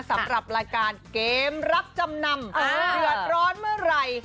สำหรับรายการเกมรับจำนำเดือดร้อนเมื่อไหร่